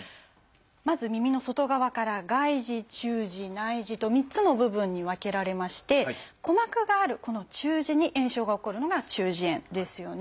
まず耳の外側から「外耳」「中耳」「内耳」と３つの部分に分けられまして鼓膜があるこの中耳に炎症が起こるのが中耳炎ですよね。